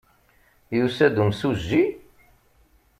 Yusa-d umsujji?